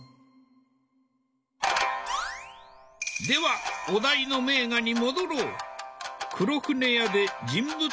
ではお題の名画に戻ろう。